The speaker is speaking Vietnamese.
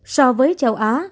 so với châu á